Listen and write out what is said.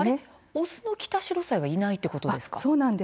オスのキタシロサイはいないんですか。